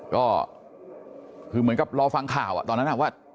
ก็คือเหมือนกับรอฟังข่าวตอนนั้นว่า